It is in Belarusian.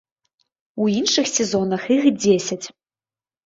У іншых сезонах іх дзесяць.